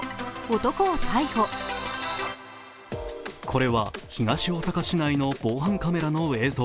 これは東大阪市内の防犯カメラの映像。